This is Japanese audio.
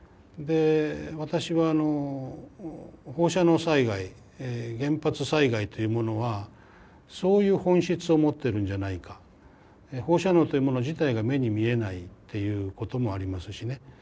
で私は放射能災害原発災害というものはそういう本質を持ってるんじゃないか放射能というもの自体が目に見えないっていうこともありますしね。